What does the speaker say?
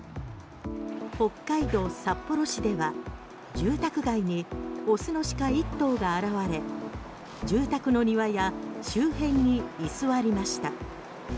北海道札幌市では住宅街に雄の鹿１頭が現れ住宅の庭や周辺に居座りました。